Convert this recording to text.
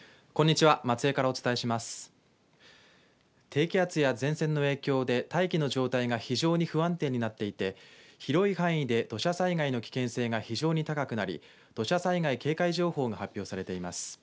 低気圧や前線の影響で大気の状態が非常に不安定になっていて広い範囲で土砂災害の危険性が非常に高くなり土砂災害警戒情報が発表されています。